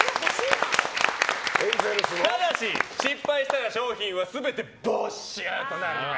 ただし、失敗したら賞品は全て没収となります。